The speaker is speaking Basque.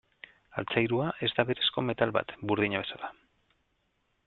Altzairua ez da berezko metal bat, burdina bezala.